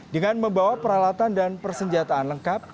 dengan membawa peralatan dan persenjataan lengkap